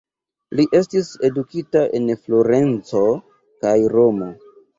Li estis edukita en Florenco kaj Romo.